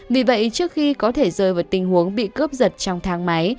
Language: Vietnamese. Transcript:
vì vậy trước khi có thể rơi vào tình huống bị cướp giật trong thang máy